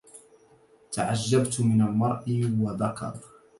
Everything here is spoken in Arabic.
تعجبت من المرء وذكر